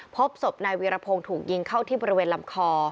พบศพนายวีรพงศ์ถูกยิงเข้าที่บริเวณลำคอ